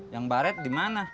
yang baret dimana